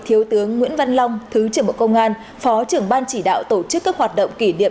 thiếu tướng nguyễn văn long thứ trưởng bộ công an phó trưởng ban chỉ đạo tổ chức các hoạt động kỷ niệm